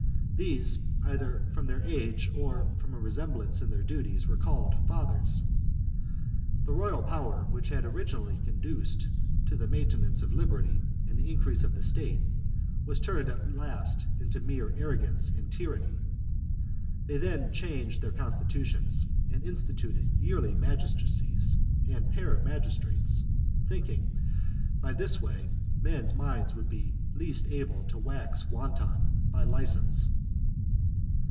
These, either from their age or from a resemblance in their duties, were called "Fathers." The royal power, which had origin ally conduced to the maintenance of liberty and the increase of the state, was turned at last into mere arrogance and tyranny. They then changed their constitutions, and instituted yearly magistracies and pairs of magistrates, thinking that by this way men's minds would be least able to wax wanton by license.